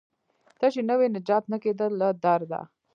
ته چې نه وې نجات نه کیده له درده